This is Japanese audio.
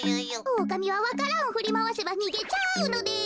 おおかみはわか蘭をふりまわせばにげちゃうのです。